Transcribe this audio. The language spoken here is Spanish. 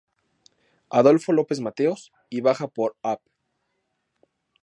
Adolfo López Mateos" y baja por "Av.